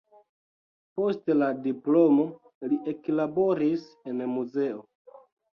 Post la diplomo li eklaboris en muzeo.